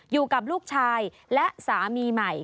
อยู่กับลูกชายและสามีใหม่